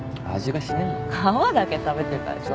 皮だけ食べてるからでしょ。